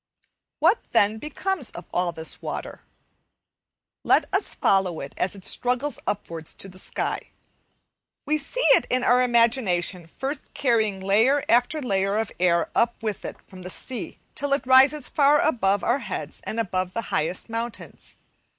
What, then, becomes of all this water? Let us follow it as it struggles upwards to the sky. We see it in our imagination first carrying layer after layer of air up with it from the sea till it rises far above our heads and above the highest mountains.